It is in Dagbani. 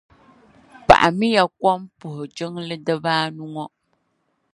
Paɣi miya kom puhi jiŋli diba anu ŋɔ.